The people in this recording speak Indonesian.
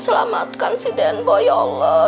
selamatkan si den boy ya allah